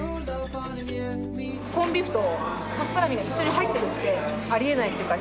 コンビーフとパストラミが一緒に入ってるってありえないっていうか